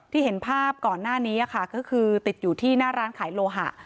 เห็นภาพก่อนหน้านี้ค่ะก็คือติดอยู่ที่หน้าร้านขายโลหะ